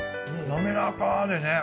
滑らかでね。